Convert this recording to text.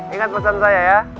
ingat pesan saya ya